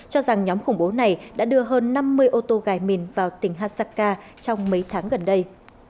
cho rằng nhóm khủng bố này đã đưa hơn năm mươi ô tô gài mìn vào tỉnh hasaka trong mấy tháng gần đây